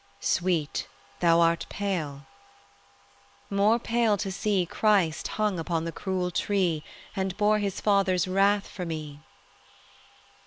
"Sweet, thou art pale." "More pale to see, Christ hung upon the cruel tree And bore His Father's wrath for me."